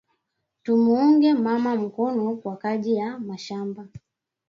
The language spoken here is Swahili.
Tu muunge mama mukono kwa kaji ya mashamba